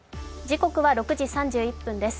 時刻は６時３１分です